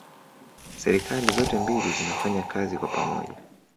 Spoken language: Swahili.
serikali zote mbili zinafanya kazi kwa pamoja